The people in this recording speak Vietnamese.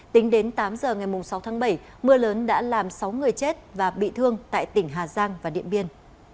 tính đến tám giờ ngày sáu tháng bảy mưa lớn đã làm sáu người chết và bị thương tại tỉnh hà giang và điện biên